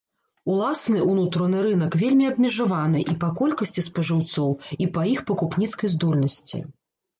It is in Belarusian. Уласны ўнутраны рынак вельмі абмежаваны і па колькасці спажыўцоў, і па іх пакупніцкай здольнасці.